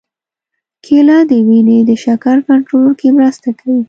کېله د وینې د شکر کنټرول کې مرسته کوي.